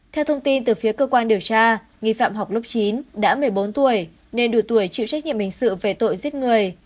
theo thông tin từ phía cơ quan điều tra nghi phạm học lúc chín đã một mươi bốn tuổi nên đủ tuổi chịu trách nhiệm hình sự về tội giết người